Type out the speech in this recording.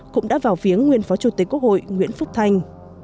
cũng đã vào viếng nguyên phó chủ tịch quốc hội nguyễn phúc thanh